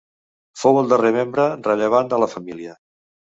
Fou el darrer membre rellevant de la família.